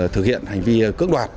thực hiện hành vi cưỡng đoạt